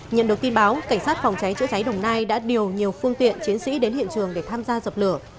nhận được tin báo cảnh sát phòng cháy chữa cháy đồng nai đã điều nhiều phương tiện chiến sĩ đến hiện trường để tham gia dập lửa